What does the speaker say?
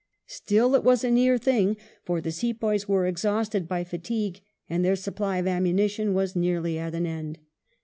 Still it was a near thing, for the Sepoys were exhausted by fatigue, and their supply of ammunition was nearly at an end.